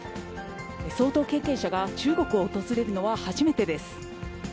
総統経験者が中国を訪れるのは初めてです。